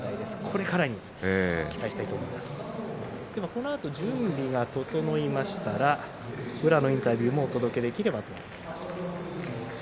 このあと準備が整いましたら宇良のインタビューをお届けできるかと思います。